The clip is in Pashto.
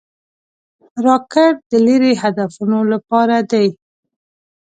راکټ د لیرې هدفونو لپاره دی